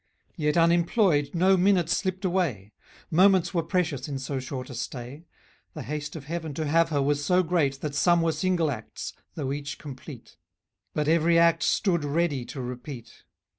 Yet unemployed no minute slipped away; Moments were precious in so short a stay. The haste of heaven to have her was so great, } That some were single acts, though each complete; } But every act stood ready to repeat.